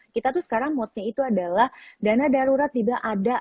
kita tuh sekarang modnya itu adalah dana darurat juga ada